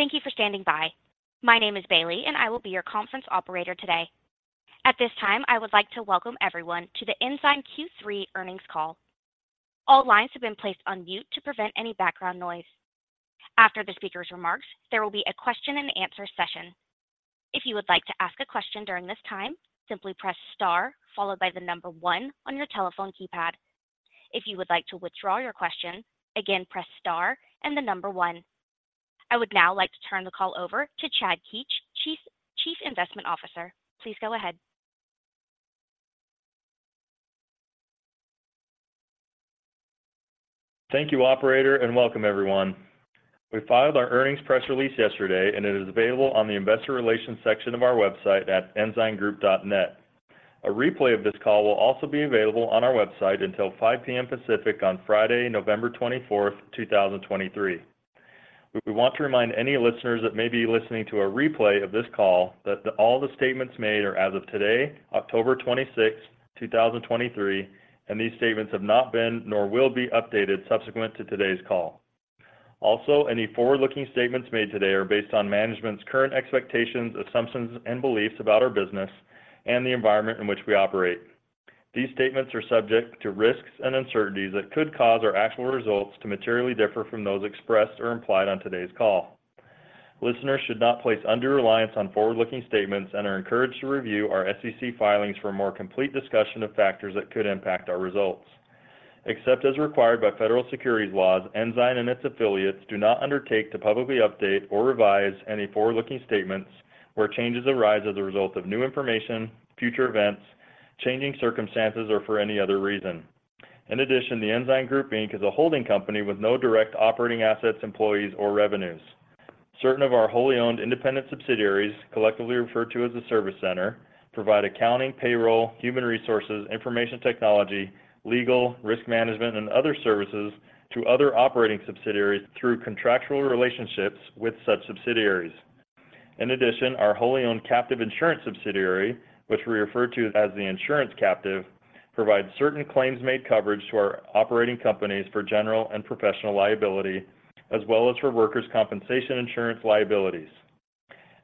Thank you for standing by. My name is Bailey, and I will be your conference operator today. At this time, I would like to welcome everyone to the Ensign Q3 Earnings Call. All lines have been placed on mute to prevent any background noise. After the speaker's remarks, there will be a question and answer session. If you would like to ask a question during this time, simply press star followed by the number one on your telephone keypad. If you would like to withdraw your question, again, press star and the number one. I would now like to turn the call over to Chad Keetch, Chief Investment Officer. Please go ahead. Thank you, operator, and welcome everyone. We filed our earnings press release yesterday, and it is available on the investor relations section of our website at ensigngroup.net. A replay of this call will also be available on our website until 5:00 P.M. Pacific on Friday, November 24th, 2023. We want to remind any listeners that may be listening to a replay of this call that all the statements made are as of today, October 26th, 2023, and these statements have not been nor will be updated subsequent to today's call. Also, any forward-looking statements made today are based on management's current expectations, assumptions, and beliefs about our business and the environment in which we operate. These statements are subject to risks and uncertainties that could cause our actual results to materially differ from those expressed or implied on today's call. Listeners should not place undue reliance on forward-looking statements and are encouraged to review our SEC filings for a more complete discussion of factors that could impact our results. Except as required by federal securities laws, Ensign and its affiliates do not undertake to publicly update or revise any forward-looking statements where changes arise as a result of new information, future events, changing circumstances, or for any other reason. In addition, The Ensign Group, Inc. is a holding company with no direct operating assets, employees, or revenues. Certain of our wholly owned independent subsidiaries, collectively referred to as the service center, provide accounting, payroll, human resources, information technology, legal, risk management, and other services to other operating subsidiaries through contractual relationships with such subsidiaries. In addition, our wholly owned captive insurance subsidiary, which we refer to as the insurance captive, provides certain claims-made coverage to our operating companies for general and professional liability, as well as for workers' compensation insurance liabilities.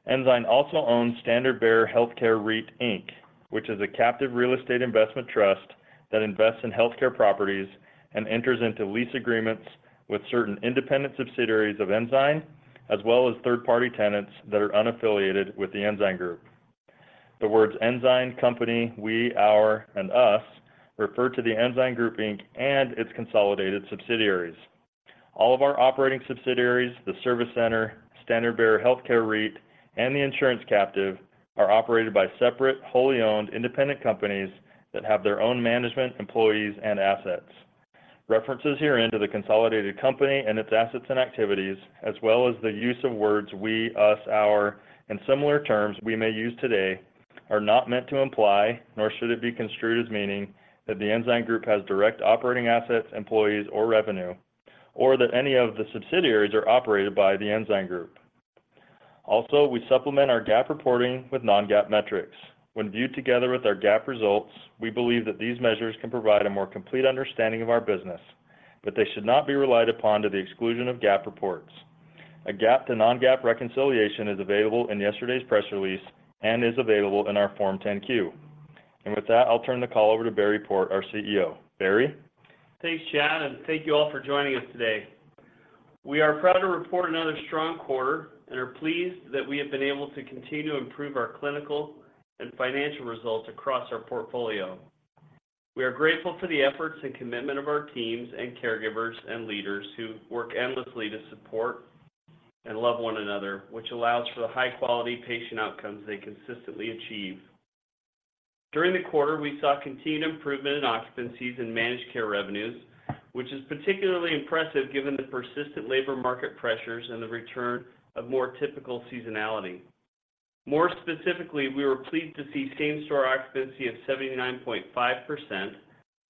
Ensign also owns Standard Bearer Healthcare REIT, Inc., which is a captive real estate investment trust that invests in healthcare properties and enters into lease agreements with certain independent subsidiaries of Ensign, as well as third-party tenants that are unaffiliated with the Ensign Group. The words Ensign, company, we, our, and us refer to The Ensign Group, Inc. and its consolidated subsidiaries. All of our operating subsidiaries, the service center, Standard Bearer Healthcare REIT, and the insurance captive, are operated by separate, wholly owned independent companies that have their own management, employees, and assets. References herein to the consolidated company and its assets and activities, as well as the use of words we, us, our, and similar terms we may use today, are not meant to imply, nor should it be construed as meaning, that the Ensign Group has direct operating assets, employees, or revenue, or that any of the subsidiaries are operated by the Ensign Group. Also, we supplement our GAAP reporting with non-GAAP metrics. When viewed together with our GAAP results, we believe that these measures can provide a more complete understanding of our business, but they should not be relied upon to the exclusion of GAAP reports. A GAAP to non-GAAP reconciliation is available in yesterday's press release and is available in our Form 10-Q. With that, I'll turn the call over to Barry Port, our CEO. Barry? Thanks, Chad, and thank you all for joining us today. We are proud to report another strong quarter and are pleased that we have been able to continue to improve our clinical and financial results across our portfolio. We are grateful for the efforts and commitment of our teams, and caregivers, and leaders who work endlessly to support and love one another, which allows for the high-quality patient outcomes they consistently achieve. During the quarter, we saw continued improvement in occupancies and managed care revenues, which is particularly impressive given the persistent labor market pressures and the return of more typical seasonality. More specifically, we were pleased to see same-store occupancy of 79.5%,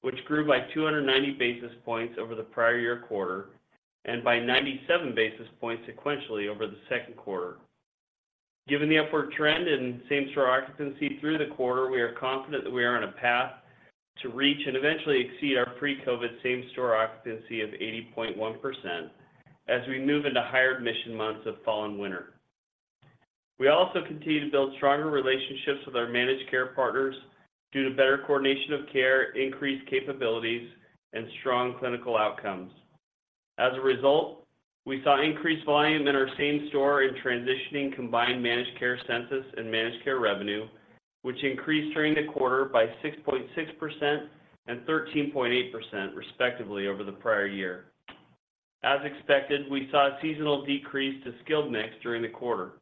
which grew by 290 basis points over the prior year quarter and by 97 basis points sequentially over the second quarter. Given the upward trend in same-store occupancy through the quarter, we are confident that we are on a path to reach and eventually exceed our pre-COVID same-store occupancy of 80.1% as we move into higher admission months of fall and winter. We also continue to build stronger relationships with our managed care partners due to better coordination of care, increased capabilities, and strong clinical outcomes. As a result, we saw increased volume in our same store in transitioning combined managed care census and managed care revenue, which increased during the quarter by 6.6% and 13.8% respectively over the prior year. As expected, we saw a seasonal decrease to skilled mix during the quarter.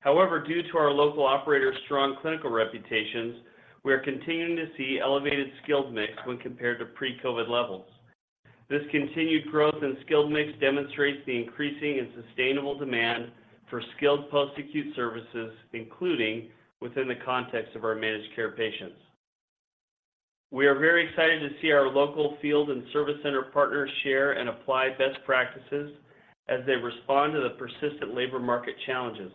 However, due to our local operators' strong clinical reputations, we are continuing to see elevated skilled mix when compared to pre-COVID levels. This continued growth in skilled mix demonstrates the increasing and sustainable demand for skilled post-acute services, including within the context of our managed care patients. We are very excited to see our local field and service center partners share and apply best practices as they respond to the persistent labor market challenges,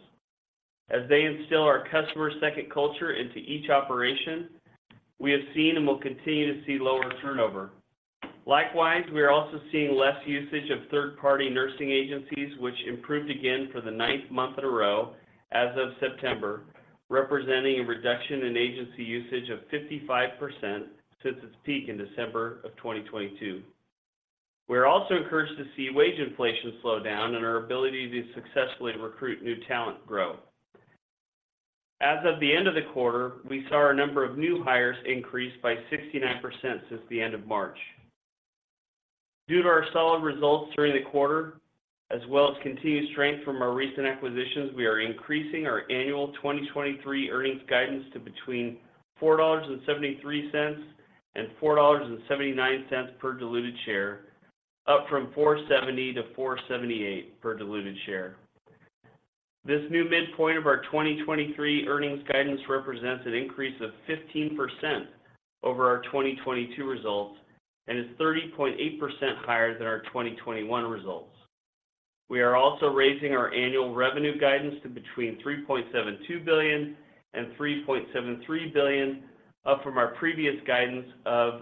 as they instill our customer-second culture into each operation, we have seen and will continue to see lower turnover. Likewise, we are also seeing less usage of third-party nursing agencies, which improved again for the ninth month in a row as of September, representing a reduction in agency usage of 55% since its peak in December of 2022. We're also encouraged to see wage inflation slow down and our ability to successfully recruit new talent grow. As of the end of the quarter, we saw our number of new hires increase by 69% since the end of March. Due to our solid results during the quarter, as well as continued strength from our recent acquisitions, we are increasing our annual 2023 earnings guidance to between $4.73 and $4.79 per diluted share, up from $4.70-$4.78 per diluted share. This new midpoint of our 2023 earnings guidance represents an increase of 15% over our 2022 results and is 30.8% higher than our 2021 results. We are also raising our annual revenue guidance to between $3.72 billion and $3.73 billion, up from our previous guidance of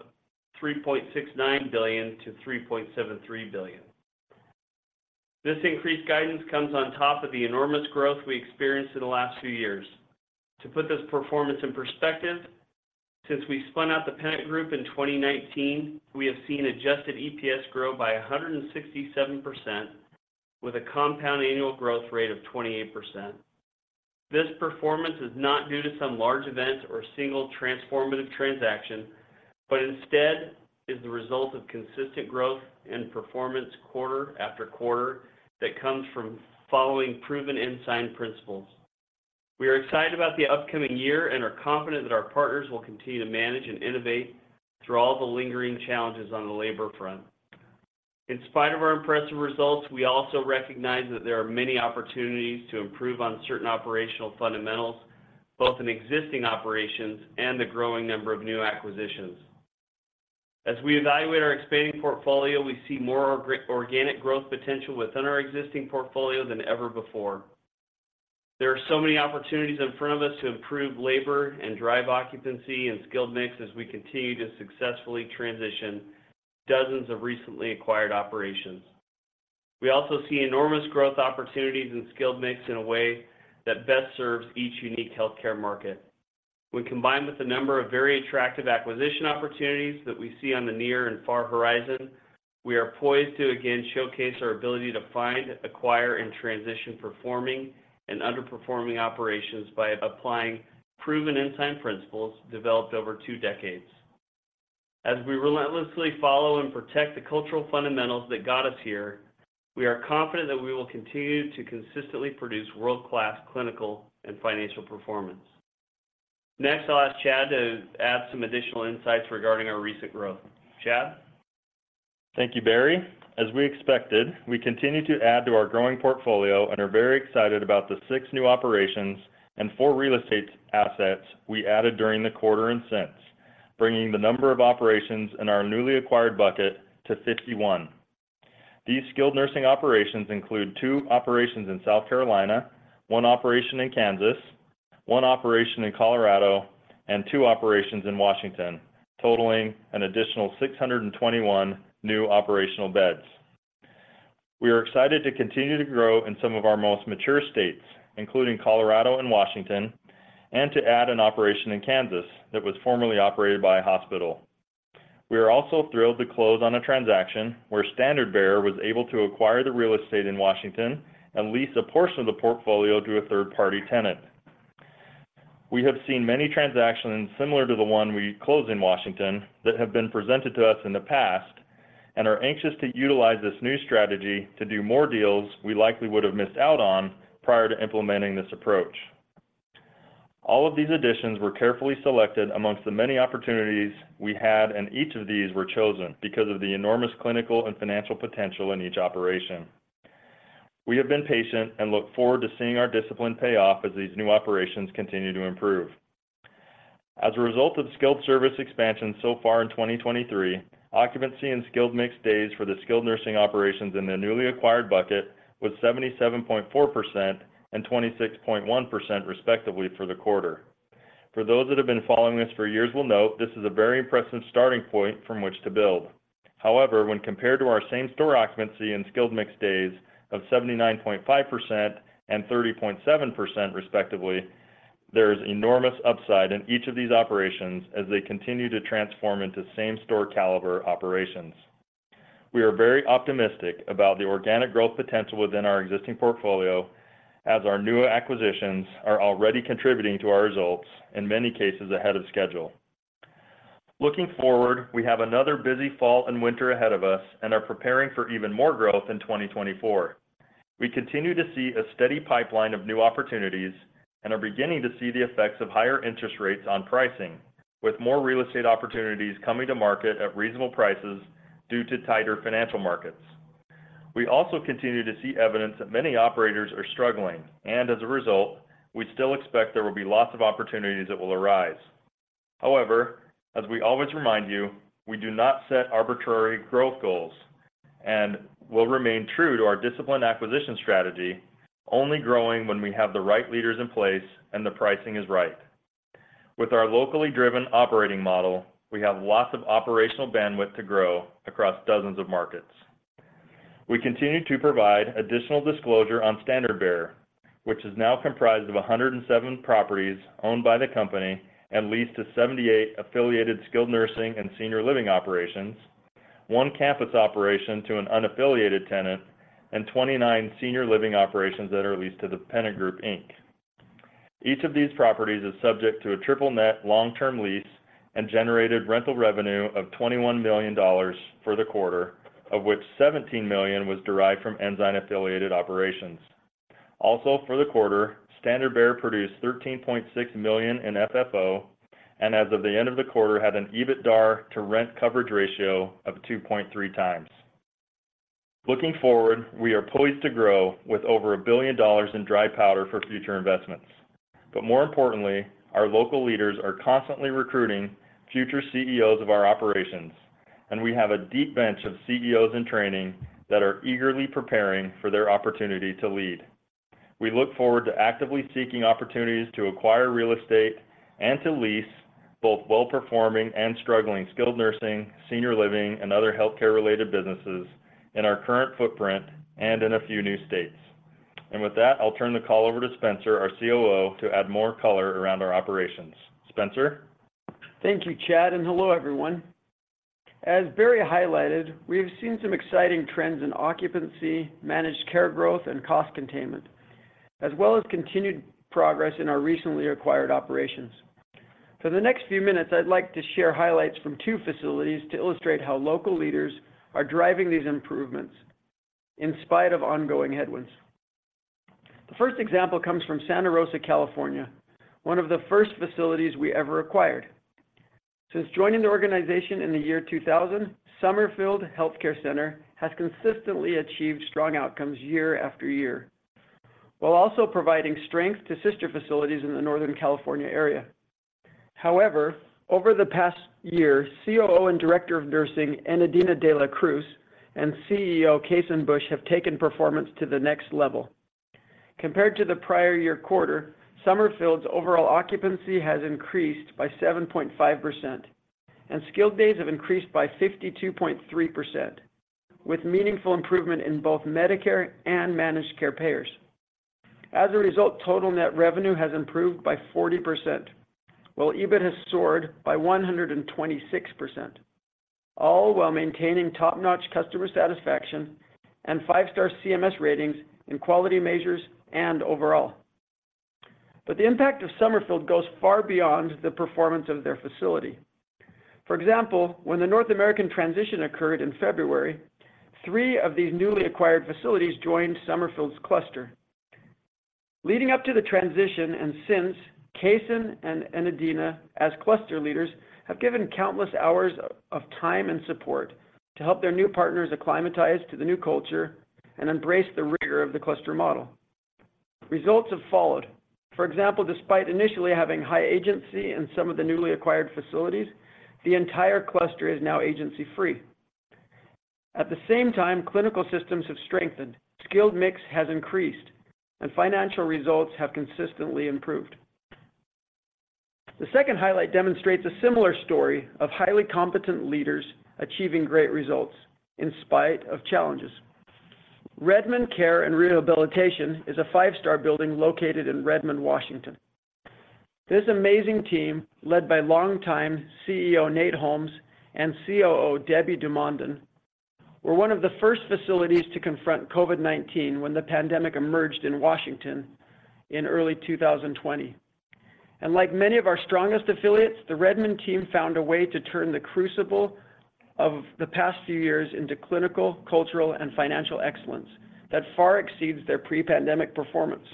$3.69 billion-$3.73 billion. This increased guidance comes on top of the enormous growth we experienced in the last few years. To put this performance in perspective, since we spun out The Pennant Group in 2019, we have seen adjusted EPS grow by 167%, with a compound annual growth rate of 28%. This performance is not due to some large event or single transformative transaction, but instead is the result of consistent growth and performance quarter after quarter that comes from following proven Ensign principles. We are excited about the upcoming year and are confident that our partners will continue to manage and innovate through all the lingering challenges on the labor front. In spite of our impressive results, we also recognize that there are many opportunities to improve on certain operational fundamentals, both in existing operations and the growing number of new acquisitions. As we evaluate our expanding portfolio, we see more organic growth potential within our existing portfolio than ever before. There are so many opportunities in front of us to improve labor and drive occupancy and skilled mix as we continue to successfully transition dozens of recently acquired operations. We also see enormous growth opportunities in skilled mix in a way that best serves each unique healthcare market. When combined with the number of very attractive acquisition opportunities that we see on the near and far horizon, we are poised to again showcase our ability to find, acquire, and transition performing and underperforming operations by applying proven Ensign principles developed over two decades. As we relentlessly follow and protect the cultural fundamentals that got us here, we are confident that we will continue to consistently produce world-class clinical and financial performance. Next, I'll ask Chad to add some additional insights regarding our recent growth. Chad? Thank you, Barry. As we expected, we continue to add to our growing portfolio and are very excited about the six new operations and four real estate assets we added during the quarter and since, bringing the number of operations in our newly acquired bucket to 51. These skilled nursing operations include two operations in South Carolina, one operation in Kansas, one operation in Colorado, and two operations in Washington, totaling an additional 621 new operational beds. We are excited to continue to grow in some of our most mature states, including Colorado and Washington, and to add an operation in Kansas that was formerly operated by a hospital. We are also thrilled to close on a transaction where Standard Bearer was able to acquire the real estate in Washington and lease a portion of the portfolio to a third-party tenant. We have seen many transactions similar to the one we closed in Washington that have been presented to us in the past, and are anxious to utilize this new strategy to do more deals we likely would have missed out on prior to implementing this approach. All of these additions were carefully selected amongst the many opportunities we had, and each of these were chosen because of the enormous clinical and financial potential in each operation. We have been patient and look forward to seeing our discipline pay off as these new operations continue to improve. As a result of skilled service expansion so far in 2023, occupancy and skilled mix days for the skilled nursing operations in the newly acquired bucket was 77.4% and 26.1%, respectively, for the quarter. For those that have been following this for years will note, this is a very impressive starting point from which to build. However, when compared to our same store occupancy and skilled mix days of 79.5% and 30.7%, respectively, there is enormous upside in each of these operations as they continue to transform into same-store caliber operations. We are very optimistic about the organic growth potential within our existing portfolio, as our new acquisitions are already contributing to our results, in many cases, ahead of schedule. Looking forward, we have another busy fall and winter ahead of us and are preparing for even more growth in 2024. We continue to see a steady pipeline of new opportunities and are beginning to see the effects of higher interest rates on pricing, with more real estate opportunities coming to market at reasonable prices due to tighter financial markets. We also continue to see evidence that many operators are struggling, and as a result, we still expect there will be lots of opportunities that will arise. However, as we always remind you, we do not set arbitrary growth goals and will remain true to our disciplined acquisition strategy, only growing when we have the right leaders in place and the pricing is right. With our locally driven operating model, we have lots of operational bandwidth to grow across dozens of markets. We continue to provide additional disclosure on Standard Bear, which is now comprised of 107 properties owned by the company and leased to 78 affiliated skilled nursing and senior living operations, one campus operation to an unaffiliated tenant, and 29 senior living operations that are leased to the Pennant Group. Each of these properties is subject to a triple net long-term lease and generated rental revenue of $21 million for the quarter, of which $17 million was derived from Ensign-affiliated operations. Also, for the quarter, Standard Bearer produced $13.6 million in FFO, and as of the end of the quarter, had an EBITDAR to rent coverage ratio of 2.3x. Looking forward, we are poised to grow with over $1 billion in dry powder for future investments. But more importantly, our local leaders are constantly recruiting future CEOs of our operations, and we have a deep bench of CEOs in training that are eagerly preparing for their opportunity to lead. We look forward to actively seeking opportunities to acquire real estate and to lease both well-performing and struggling, skilled nursing, senior living, and other healthcare-related businesses in our current footprint and in a few new states. And with that, I'll turn the call over to Spencer, our COO, to add more color around our operations. Spencer? Thank you, Chad, and hello, everyone. As Barry highlighted, we have seen some exciting trends in occupancy, managed care growth, and cost containment, as well as continued progress in our recently acquired operations. For the next few minutes, I'd like to share highlights from two facilities to illustrate how local leaders are driving these improvements in spite of ongoing headwinds. The first example comes from Santa Rosa, California, one of the first facilities we ever acquired. Since joining the organization in 2000, Summerfield Healthcare Center has consistently achieved strong outcomes year after year, while also providing strength to sister facilities in the Northern California area. However, over the past year, COO and Director of Nursing Enedina De La Cruz and CEO Cason Bush have taken performance to the next level. Compared to the prior year quarter, Summerfield's overall occupancy has increased by 7.5%, and skilled days have increased by 52.3%, with meaningful improvement in both Medicare and managed care payers. As a result, total net revenue has improved by 40%, while EBIT has soared by 126%, all while maintaining top-notch customer satisfaction and five-star CMS ratings in quality measures and overall. But the impact of Summerfield goes far beyond the performance of their facility. For example, when the North American transition occurred in February, three of these newly acquired facilities joined Summerfield's cluster. Leading up to the transition and since, Cason and Enedina, as cluster leaders, have given countless hours of time and support to help their new partners acclimatize to the new culture and embrace the rigor of the cluster model. Results have followed. For example, despite initially having high agency in some of the newly acquired facilities, the entire cluster is now agency-free. At the same time, clinical systems have strengthened, skilled mix has increased, and financial results have consistently improved. The second highlight demonstrates a similar story of highly competent leaders achieving great results in spite of challenges. Redmond Care and Rehabilitation is a five-star building located in Redmond, Washington. This amazing team, led by longtime CEO, Nate Holmes, and COO, Debbie Dumond, were one of the first facilities to confront COVID-19 when the pandemic emerged in Washington in early 2020. And like many of our strongest affiliates, the Redmond team found a way to turn the crucible of the past few years into clinical, cultural, and financial excellence that far exceeds their pre-pandemic performance.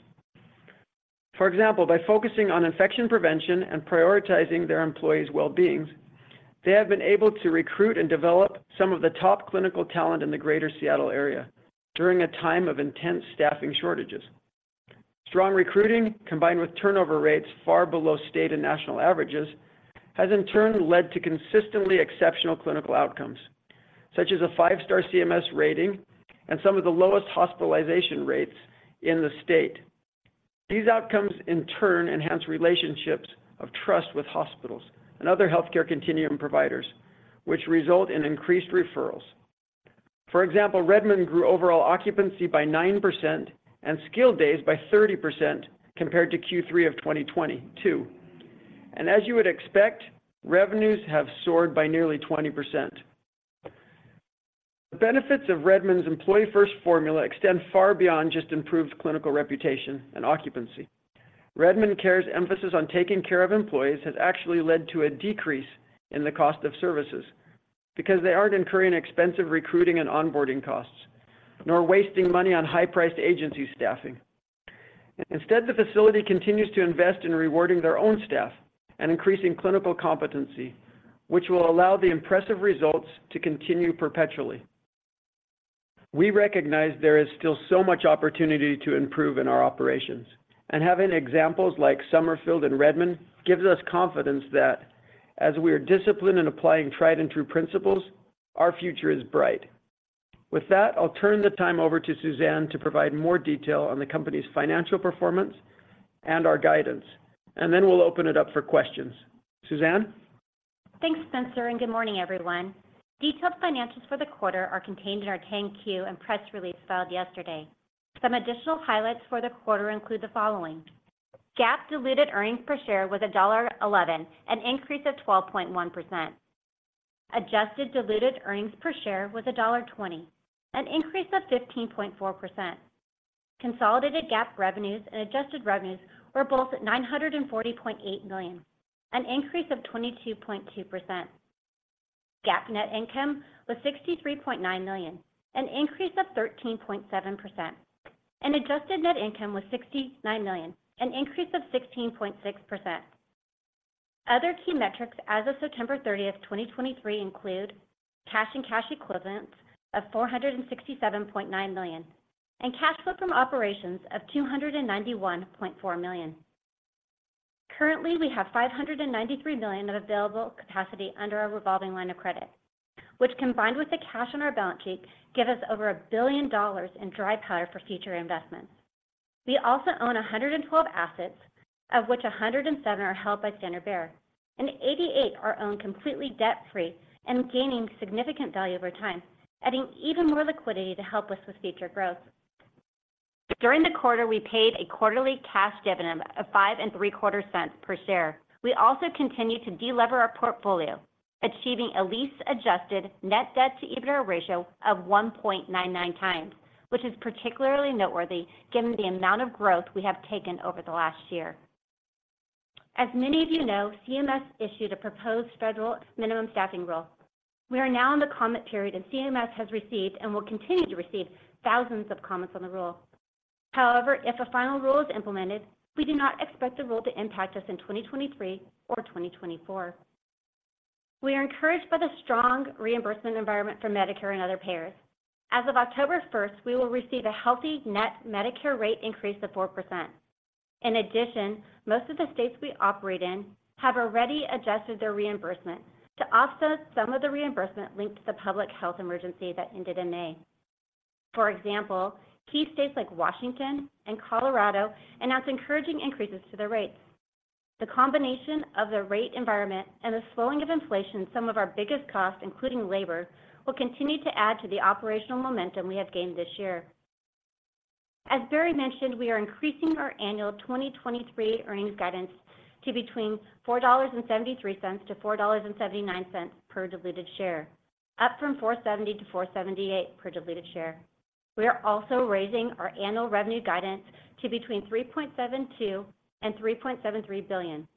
For example, by focusing on infection prevention and prioritizing their employees' well-beings, they have been able to recruit and develop some of the top clinical talent in the Greater Seattle area during a time of intense staffing shortages. Strong recruiting, combined with turnover rates far below state and national averages, has in turn led to consistently exceptional clinical outcomes, such as a five-star CMS rating and some of the lowest hospitalization rates in the state. These outcomes, in turn, enhance relationships of trust with hospitals and other healthcare continuum providers, which result in increased referrals. For example, Redmond grew overall occupancy by 9% and skilled days by 30% compared to Q3 of 2022. As you would expect, revenues have soared by nearly 20%. The benefits of Redmond's employee-first formula extend far beyond just improved clinical reputation and occupancy. Redmond Care's emphasis on taking care of employees has actually led to a decrease in the cost of services because they aren't incurring expensive recruiting and onboarding costs, nor wasting money on high-priced agency staffing. Instead, the facility continues to invest in rewarding their own staff and increasing clinical competency, which will allow the impressive results to continue perpetually. We recognize there is still so much opportunity to improve in our operations, and having examples like Summerfield and Redmond gives us confidence that as we are disciplined in applying tried and true principles, our future is bright. With that, I'll turn the time over to Suzanne to provide more detail on the company's financial performance and our guidance, and then we'll open it up for questions. Suzanne? Thanks, Spencer, and good morning, everyone. Detailed financials for the quarter are contained in our 10-Q and press release filed yesterday. Some additional highlights for the quarter include the following: GAAP diluted earnings per share was $1.11, an increase of 12.1%. Adjusted diluted earnings per share was $1.20, an increase of 15.4%. Consolidated GAAP revenues and adjusted revenues were both at $940.8 million, an increase of 22.2%. GAAP net income was $63.9 million, an increase of 13.7%, and adjusted net income was $69 million, an increase of 16.6%. Other key metrics as of September 30, 2023, include cash and cash equivalents of $467.9 million, and cash flow from operations of $291.4 million. Currently, we have $593 million of available capacity under our revolving line of credit, which, combined with the cash on our balance sheet, give us over $1 billion in dry powder for future investments. We also own 112 assets, of which 107 are held by Standard Bearer, and 88 are owned completely debt-free and gaining significant value over time, adding even more liquidity to help us with future growth. During the quarter, we paid a quarterly cash dividend of $0.0575 per share. We also continued to delever our portfolio, achieving a lease-adjusted net debt to EBITDA ratio of 1.99x, which is particularly noteworthy given the amount of growth we have taken over the last year. As many of you know, CMS issued a proposed federal minimum staffing rule. We are now in the comment period, and CMS has received, and will continue to receive, thousands of comments on the rule. However, if a final rule is implemented, we do not expect the rule to impact us in 2023 or 2024. We are encouraged by the strong reimbursement environment for Medicare and other payers. As of October 1, we will receive a healthy net Medicare rate increase of 4%. In addition, most of the states we operate in have already adjusted their reimbursement to offset some of the reimbursement linked to the public health emergency that ended in May. For example, key states like Washington and Colorado announced encouraging increases to their rates. The combination of the rate environment and the slowing of inflation, some of our biggest costs, including labor, will continue to add to the operational momentum we have gained this year. As Barry mentioned, we are increasing our annual 2023 earnings guidance to between $4.73-$4.79 per diluted share, up from $4.70-$4.78 per diluted share. We are also raising our annual revenue guidance to between $3.72 billion and $3.73 billion.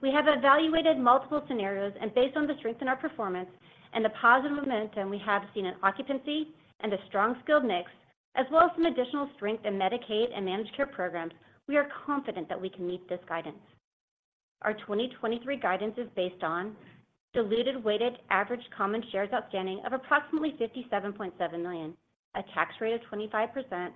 We have evaluated multiple scenarios, and based on the strength in our performance and the positive momentum we have seen in occupancy and a strong skilled mix, as well as some additional strength in Medicaid and managed care programs, we are confident that we can meet this guidance. Our 2023 guidance is based on diluted weighted average common shares outstanding of approximately 57.7 million, a tax rate of 25%,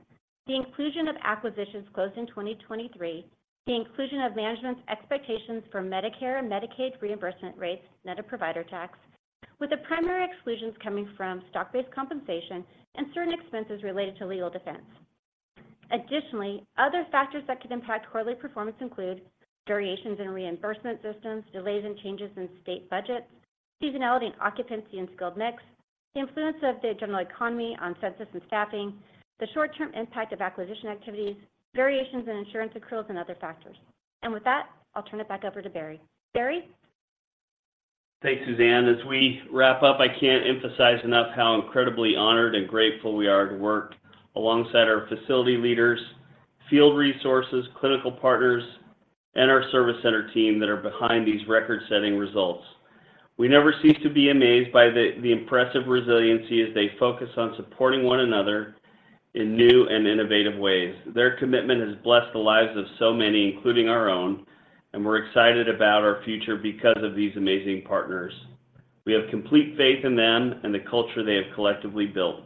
the inclusion of acquisitions closed in 2023, the inclusion of management's expectations for Medicare and Medicaid reimbursement rates, net of provider tax, with the primary exclusions coming from stock-based compensation and certain expenses related to legal defense. Additionally, other factors that could impact quarterly performance include variations in reimbursement systems, delays and changes in state budgets, seasonality and occupancy in skilled mix, the influence of the general economy on census and staffing, the short-term impact of acquisition activities, variations in insurance accruals, and other factors. And with that, I'll turn it back over to Barry. Barry? Thanks, Suzanne. As we wrap up, I can't emphasize enough how incredibly honored and grateful we are to work alongside our facility leaders, field resources, clinical partners, and our service center team that are behind these record-setting results. We never cease to be amazed by the impressive resiliency as they focus on supporting one another in new and innovative ways. Their commitment has blessed the lives of so many, including our own, and we're excited about our future because of these amazing partners. We have complete faith in them and the culture they have collectively built.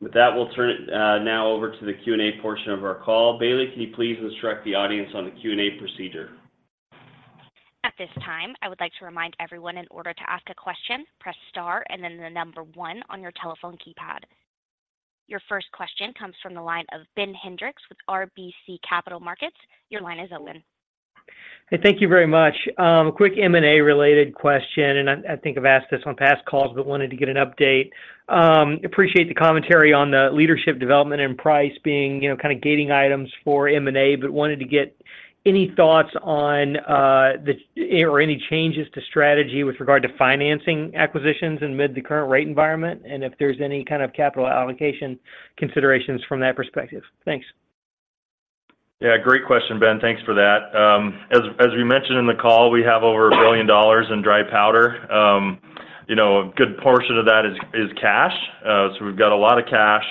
With that, we'll turn it now over to the Q&A portion of our call. Bailey, can you please instruct the audience on the Q&A procedure? At this time, I would like to remind everyone in order to ask a question, press star and then the number one on your telephone keypad. Your first question comes from the line of Ben Hendrix with RBC Capital Markets. Your line is open. Hey, thank you very much. A quick M&A-related question, and I think I've asked this on past calls, but wanted to get an update. Appreciate the commentary on the leadership development and price being, you know, kind of gating items for M&A, but wanted to get any thoughts on or any changes to strategy with regard to financing acquisitions amid the current rate environment, and if there's any kind of capital allocation considerations from that perspective. Thanks. Yeah, great question, Ben. Thanks for that. As, as we mentioned in the call, we have over $1 billion in dry powder. You know, a good portion of that is, is cash. So we've got a lot of cash,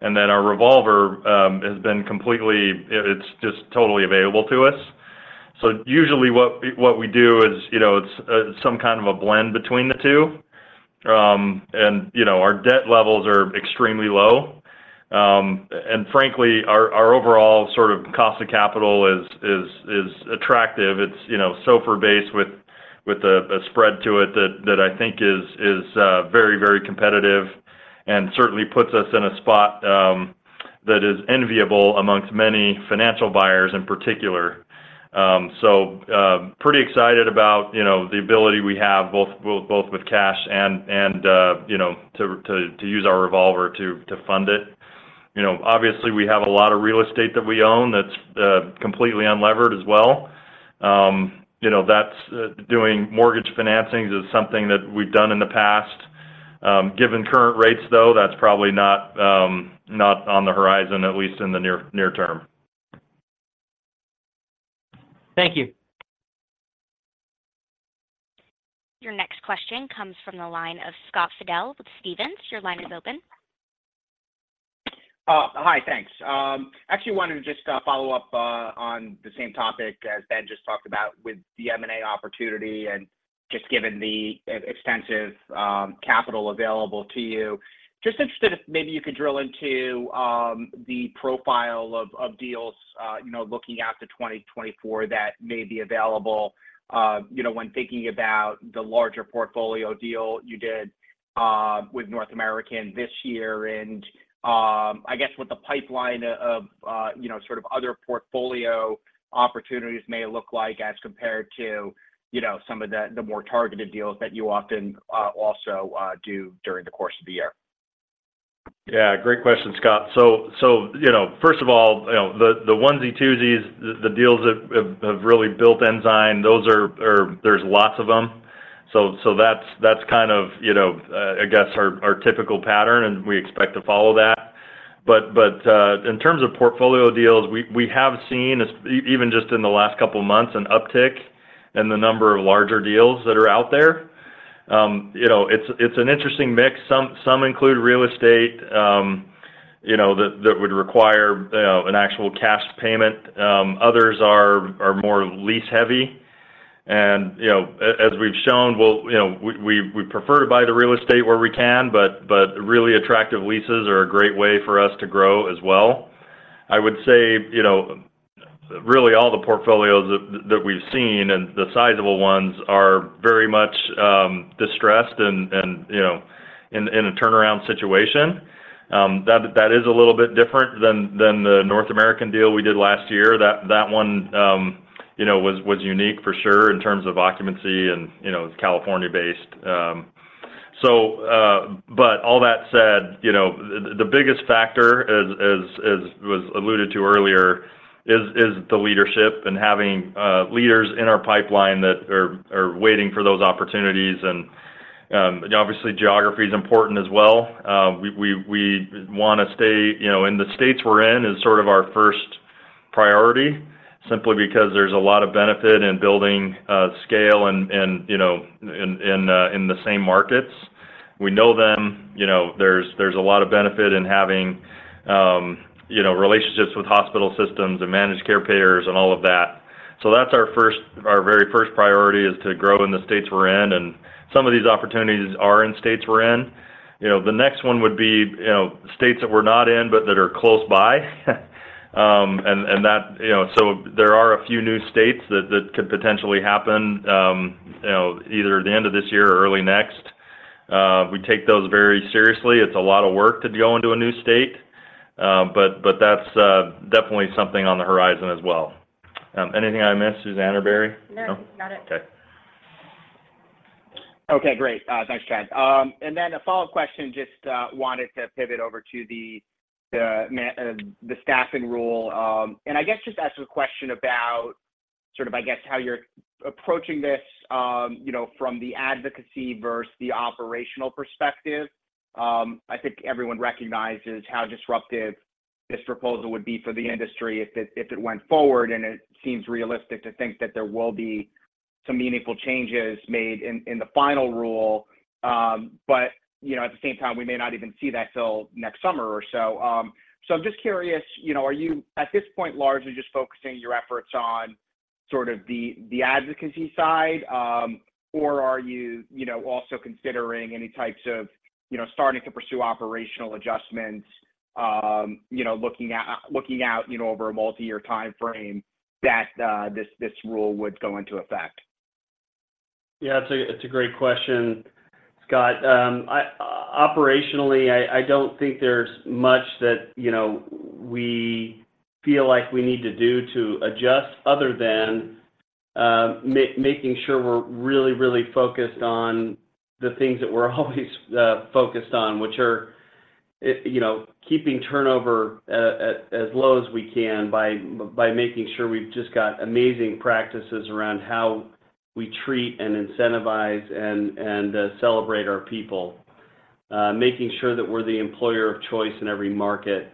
and then our revolver has been completely it's just totally available to us. So usually what we do is, you know, it's some kind of a blend between the two. And you know, our debt levels are extremely low. And frankly, our overall sort of cost of capital is attractive. It's, you know, SOFR-based with a spread to it that I think is very, very competitive and certainly puts us in a spot that is enviable amongst many financial buyers in particular. So pretty excited about, you know, the ability we have both with cash and you know, to use our revolver to fund it. You know, obviously, we have a lot of real estate that we own that's completely unlevered as well. You know, that's doing mortgage financings is something that we've done in the past. Given current rates, though, that's probably not on the horizon, at least in the near term. Thank you. Your next question comes from the line of Scott Fidel with Stephens. Your line is open. Hi, thanks. Actually wanted to just follow up on the same topic as Ben just talked about with the M&A opportunity and just given the extensive capital available to you. Just interested if maybe you could drill into the profile of deals, you know, looking out to 2024 that may be available, you know, when thinking about the larger portfolio deal you did with North American this year, and I guess what the pipeline of, you know, sort of other portfolio opportunities may look like as compared to, you know, some of the more targeted deals that you often also do during the course of the year. Yeah, great question, Scott. So, you know, first of all, you know, the onesie-twosies, the deals that have really built Ensign, those are—or there's lots of them. So, that's kind of, you know, I guess, our typical pattern, and we expect to follow that. But, in terms of portfolio deals, we have seen, even just in the last couple of months, an uptick in the number of larger deals that are out there. You know, it's an interesting mix. Some include real estate, you know, that would require an actual cash payment. Others are more lease-heavy. And, you know, as we've shown, we'll. You know, we prefer to buy the real estate where we can, but really attractive leases are a great way for us to grow as well. I would say, you know, really all the portfolios that we've seen, and the sizable ones are very much distressed and, you know, in a turnaround situation. That is a little bit different than the North American deal we did last year. That one, you know, was unique for sure in terms of occupancy and, you know, California-based. So, but all that said, you know, the biggest factor, as was alluded to earlier, is the leadership and having leaders in our pipeline that are waiting for those opportunities. And, obviously, geography is important as well. We wanna stay, you know, in the states we're in is sort of our first priority, simply because there's a lot of benefit in building scale and, you know, in the same markets. We know them, you know, there's a lot of benefit in having, you know, relationships with hospital systems and managed care payers and all of that. That's our very first priority is to grow in the states we're in, and some of these opportunities are in states we're in. You know, the next one would be, you know, states that we're not in, but that are close by. That, you know, so there are a few new states that could potentially happen, you know, either at the end of this year or early next. We take those very seriously. It's a lot of work to go into a new state, but that's definitely something on the horizon as well. Anything I missed, Suzanne or Barry? No. No, got it. Okay. Okay, great. Thanks, Chad. And then a follow-up question, just wanted to pivot over to the staffing rule. And I guess just ask you a question about sort of, I guess, how you're approaching this, you know, from the advocacy versus the operational perspective. I think everyone recognizes how disruptive this proposal would be for the industry if it went forward, and it seems realistic to think that there will be some meaningful changes made in the final rule. But, you know, at the same time, we may not even see that till next summer or so. So I'm just curious, you know, are you, at this point, largely just focusing your efforts on sort of the, the advocacy side, or are you, you know, also considering any types of, you know, starting to pursue operational adjustments, you know, looking out, you know, over a multi-year time frame that, this, this rule would go into effect? Yeah, it's a great question, Scott. Operationally, I don't think there's much that, you know, we feel like we need to do to adjust other than making sure we're really, really focused on the things that we're always focused on, which are, you know, keeping turnover at as low as we can by making sure we've just got amazing practices around how we treat and incentivize and celebrate our people. Making sure that we're the employer of choice in every market,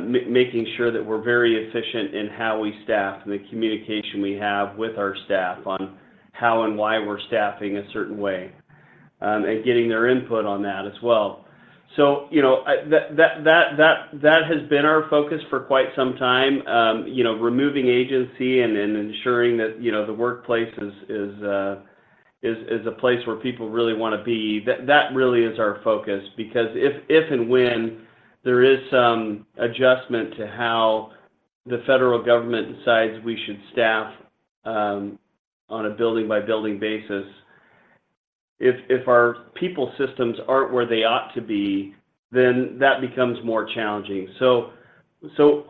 making sure that we're very efficient in how we staff, and the communication we have with our staff on how and why we're staffing a certain way and getting their input on that as well. So, you know, that has been our focus for quite some time, you know, removing agency and ensuring that, you know, the workplace is a place where people really want to be. That really is our focus. Because if and when there is some adjustment to how the federal government decides we should staff, on a building-by-building basis, if our people systems aren't where they ought to be, then that becomes more challenging. So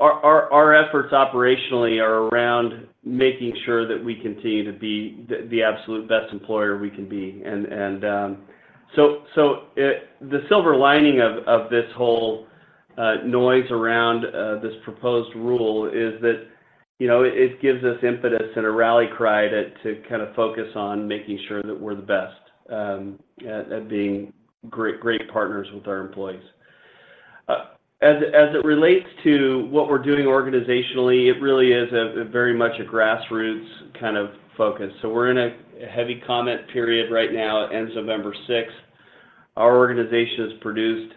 our efforts operationally are around making sure that we continue to be the absolute best employer we can be. So, the silver lining of this whole noise around this proposed rule is that, you know, it gives us impetus and a rally cry to kind of focus on making sure that we're the best at being great, great partners with our employees. As it relates to what we're doing organizationally, it really is a very much grassroots kind of focus. We're in a heavy comment period right now, it ends November 6. Our organization has produced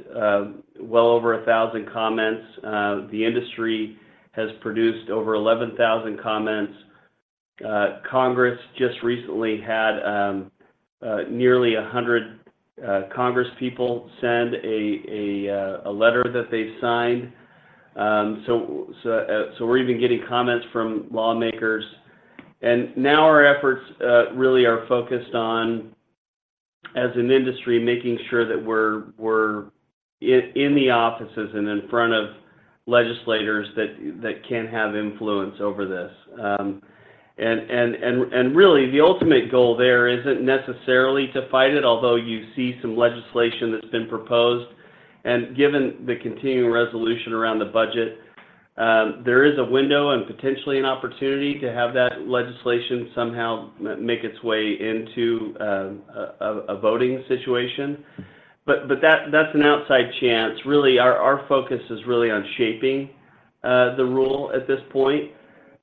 well over 1,000 comments. The industry has produced over 11,000 comments. Congress just recently had nearly 100 Congress people send a letter that they signed. So, we're even getting comments from lawmakers. Now our efforts really are focused on, as an industry, making sure that we're in the offices and in front of legislators that can have influence over this. And really, the ultimate goal there isn't necessarily to fight it, although you see some legislation that's been proposed. Given the continuing resolution around the budget, there is a window and potentially an opportunity to have that legislation somehow make its way into a voting situation. But that's an outside chance. Really, our focus is really on shaping the rule at this point.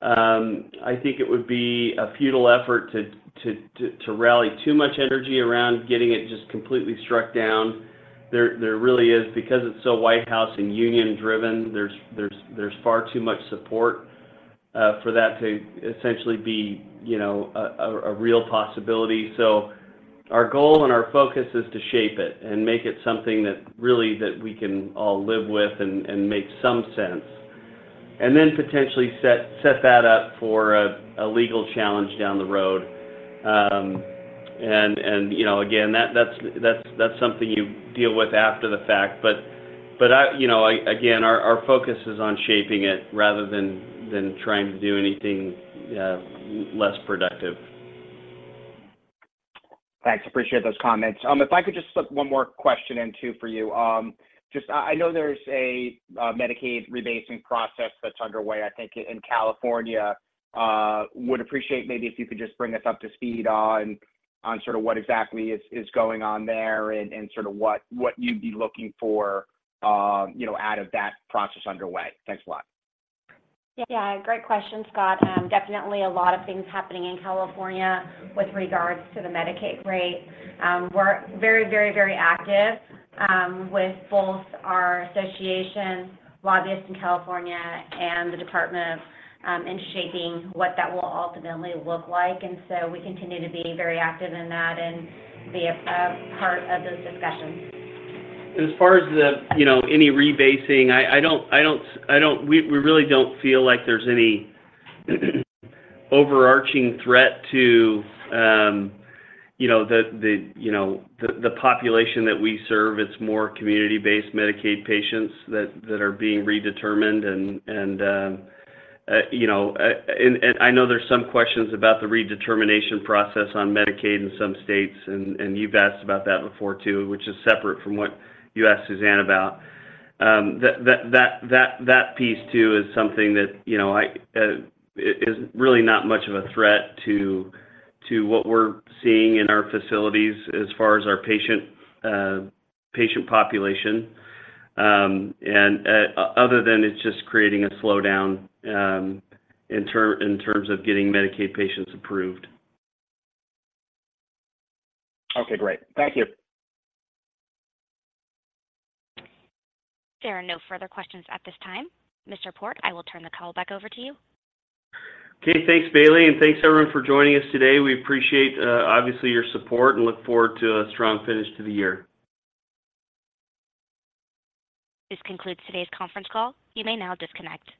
I think it would be a futile effort to rally too much energy around getting it just completely struck down. There really is, because it's so White House and union driven, there's far too much support for that to essentially be, you know, a real possibility. So our goal and our focus is to shape it and make it something that really we can all live with and makes some sense, and then potentially set that up for a legal challenge down the road. And, you know, again, that's something you deal with after the fact. But I, you know, again, our focus is on shaping it rather than trying to do anything less productive. Thanks. Appreciate those comments. If I could just slip one more question in, too, for you. Just, I know there's a Medicaid rebasing process that's underway, I think, in California. Would appreciate maybe if you could just bring us up to speed on sort of what exactly is going on there and sort of what you'd be looking for, you know, out of that process underway. Thanks a lot. Yeah, great question, Scott. Definitely a lot of things happening in California with regards to the Medicaid rate. We're very, very, very active with both our association lobbyists in California and the department in shaping what that will ultimately look like. And so we continue to be very active in that and be a part of those discussions. As far as you know any rebasing, I don't we really don't feel like there's any overarching threat to, you know, the population that we serve. It's more community-based Medicaid patients that are being redetermined and, you know. And I know there's some questions about the redetermination process on Medicaid in some states, and you've asked about that before, too, which is separate from what you asked Suzanne about. That piece, too, is something that, you know, is really not much of a threat to what we're seeing in our facilities as far as our patient population. And other than it's just creating a slowdown in terms of getting Medicaid patients approved. Okay, great. Thank you. There are no further questions at this time. Mr. Port, I will turn the call back over to you. Okay, thanks, Bailey, and thanks, everyone, for joining us today. We appreciate, obviously, your support and look forward to a strong finish to the year. This concludes today's conference call. You may now disconnect.